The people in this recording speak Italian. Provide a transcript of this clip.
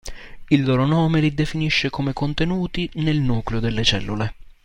Il loro nome li definisce come contenuti nel nucleo delle cellule.